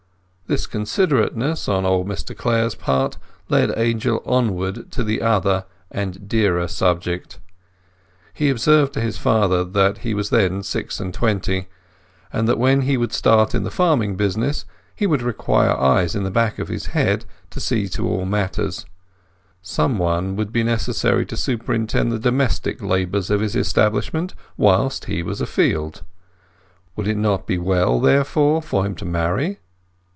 This considerateness on old Mr Clare's part led Angel onward to the other and dearer subject. He observed to his father that he was then six and twenty, and that when he should start in the farming business he would require eyes in the back of his head to see to all matters—some one would be necessary to superintend the domestic labours of his establishment whilst he was afield. Would it not be well, therefore, for him to marry?